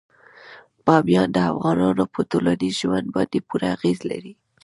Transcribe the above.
بامیان د افغانانو په ټولنیز ژوند باندې پوره اغېز لري.